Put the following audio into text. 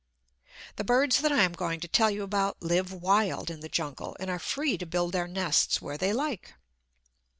The birds that I am going to tell you about live wild in the jungle, and are free to build their nests where they like.